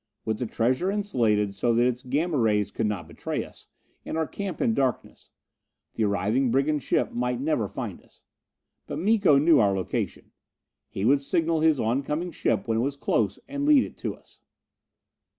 With the treasure insulated so that its Gamma rays could not betray us, and our camp in darkness, the arriving brigand ship might never find us. But Miko knew our location: he would signal his oncoming ship when it was close and lead it to us.